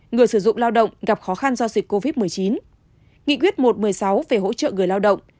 người sử dụng lao động gặp khó khăn do dịch covid một mươi chín nghị quyết một trăm một mươi sáu về hỗ trợ người lao động